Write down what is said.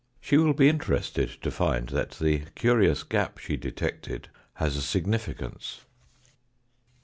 She will be interested to find that the curious gap she detected has a significance.